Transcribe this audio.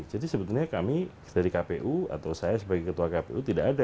jadi sebetulnya kami dari kpu atau saya sebagai ketua kpu tidak ada